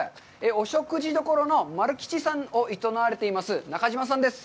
お食事処の丸吉さんを営まれています中島さんです。